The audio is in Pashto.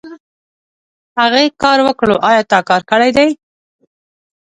هغې کار وکړو ايا تا کار کړی دی ؟